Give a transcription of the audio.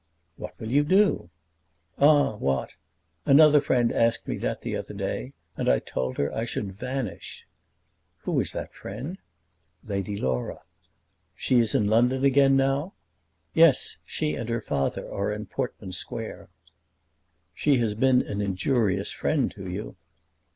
"What will you do?" "Ah, what? Another friend asked me that the other day, and I told her that I should vanish." "Who was that friend?" "Lady Laura." "She is in London again now?" "Yes; she and her father are in Portman Square." "She has been an injurious friend to you."